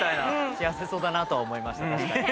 幸せそうだなとは思いました。